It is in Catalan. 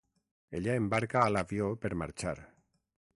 Ella embarca a l'avió per marxar.